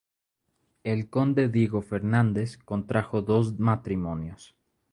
El conde Diego Fernández contrajo dos matrimonios.